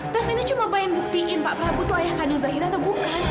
tes ini cuma bayangin buktiin pak prabu itu ayah kandung zairah atau bukan